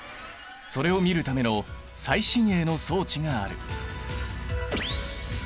それを見るための最新鋭の装置がある。